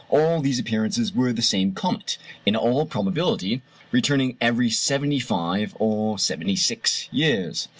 All these appearances were the same comet, in all probability, returning every seventy five or seventy six years.